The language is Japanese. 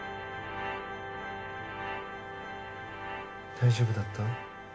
大丈夫だった？